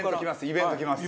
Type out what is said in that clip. イベント？